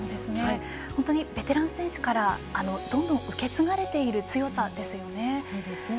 本当にベテラン選手からどんどん受け継がれている強さですよね。